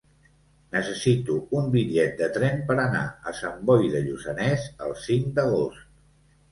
Necessito un bitllet de tren per anar a Sant Boi de Lluçanès el cinc d'agost.